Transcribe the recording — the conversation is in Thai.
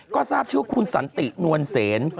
ก็ทราบชื่อว่าคุณสันตินวลเซน